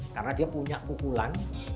karena dia punya pukulan